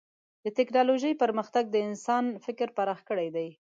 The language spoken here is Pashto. د ټکنالوجۍ پرمختګ د انسان فکر پراخ کړی دی.